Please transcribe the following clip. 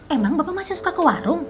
emang bapak masih suka ke warung